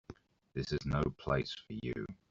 This is no place for you.